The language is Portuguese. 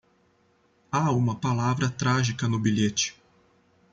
Há uma palavra trágica no bilhete.